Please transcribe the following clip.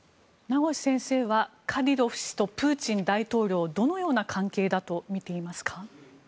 名越先生はカディロフ氏とプーチン大統領はどのような関係だと見ていますか。